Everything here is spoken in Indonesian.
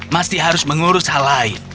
masih harus mengurus hal lain